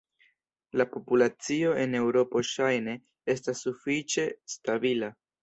La populacio en Eŭropo ŝajne estas sufiĉe stabila.